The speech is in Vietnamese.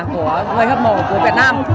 của người hâm mộ của việt nam